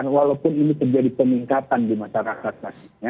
walaupun ini terjadi peningkatan di masyarakat pastinya